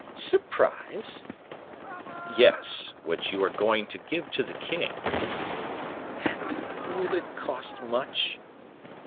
"Surprise?" "Yes; which you are going to give to the king." "And will it cost much?"